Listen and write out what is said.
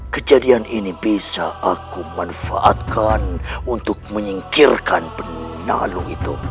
kejadian ini bisa aku manfaatkan untuk menyingkirkan benalu itu